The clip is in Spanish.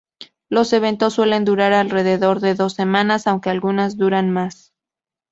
Los eventos suelen durar alrededor de dos semanas, aunque algunos duran más.